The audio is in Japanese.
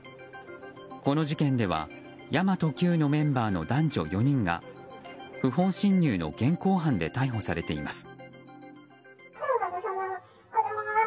この事件では神真都Ｑのメンバーの男女４人が不法侵入の現行犯で逮捕されています。